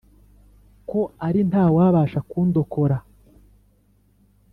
ko ari nta wabasha kundokora